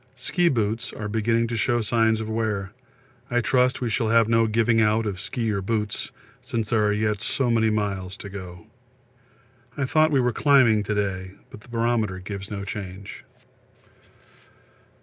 Ski boots are beginning to show signs of wear; I trust we shall have no giving out of ski or boots, since there are yet so many miles to go. I thought we were climbing to day, but the barometer gives no change.